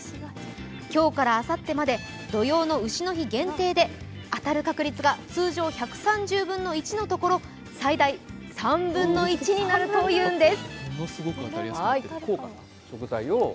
今日からあさってまで土用の丑の日限定で、当たる確率が通常１３０分の１のところ最大３分の１になるというんです。